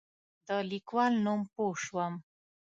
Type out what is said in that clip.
د لیکوال نوم پوه شوم.